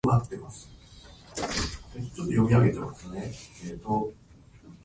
けれども邪悪に対しては、人一倍に敏感であった。